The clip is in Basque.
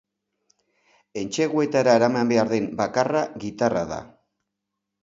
Entseguetara eraman behar den bakarra, gitarra da.